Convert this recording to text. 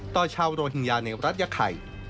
ต่อชาวโรฮิงญาในรัฐยาไข่